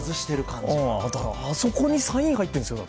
あそこにサインが入っているんですよ。